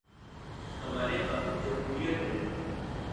ہمارے ہاں جمہوریت ہے۔